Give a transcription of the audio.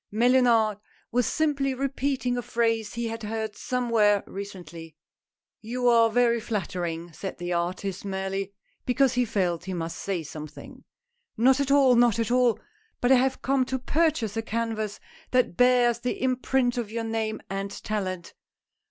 Mellunard was simply repeating a phrase he had heard somewhere recently. "You are very flattering," said the artist, merely because, he felt he must say something. " Not at all ! not at all ! But I have come to pur chase a canvas that bears the imprint of your name and talent."